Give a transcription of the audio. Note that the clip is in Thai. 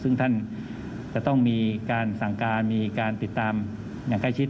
ซึ่งท่านจะต้องมีการสั่งการมีการติดตามอย่างใกล้ชิด